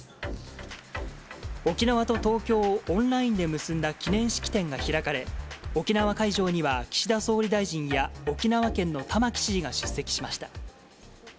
沖縄と東京をオンラインで結んだ記念式典が開かれ、沖縄会場には、岸田総理大臣や沖縄県の玉城知事が出席しました。